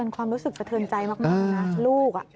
ความรู้สึกสะเทินใจมากนะลูก